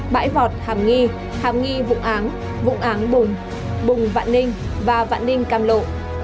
bãi vọt hàm nghi hàm nghi vụng áng vụng áng bùng bùng vạn ninh và vạn ninh cam lộ